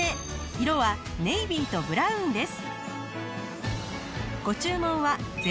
色はネイビーとブラウンです。